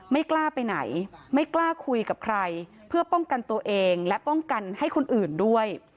ไม่กล้าไปไหนไม่กล้าคุยกับใครเพื่อป้องกันตัวเองและป้องกันให้คนอื่นด้วย